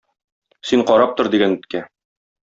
Син карап тор, - дигән эткә.